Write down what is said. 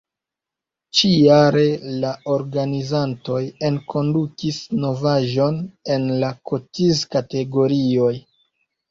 Ĉi-jare la organizantoj enkondukis novaĵon en la kotiz-kategorioj.